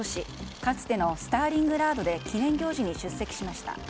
かつてのスターリングラードで記念行事に出席しました。